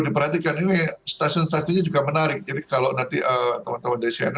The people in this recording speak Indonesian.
diperhatikan ini stasiun stasiunnya juga menarik jadi kalau nanti teman teman desainer mau melihat kode stasiunnya